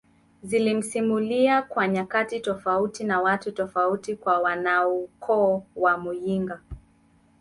zilisimuliwa kwa nyakati tofauti na watu tofauti kwa wanaukoo wa muyinga